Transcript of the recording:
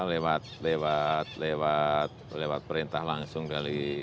lewat perintah langsung dari